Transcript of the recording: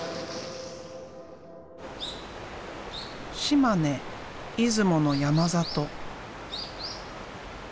島根・出雲の山里。